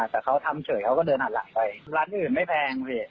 แต่เขาทำเฉยเขาก็เดินหันหลังไปร้านอื่นไม่แพงพี่